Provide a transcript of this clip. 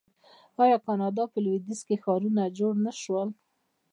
آیا د کاناډا په لویدیځ کې ښارونه جوړ نشول؟